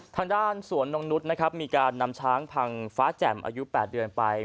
ทางด้านสวนนกนุษย์นะครับมีการนำช้างพังฟ้าแจ่มอายุ๘เดือนไป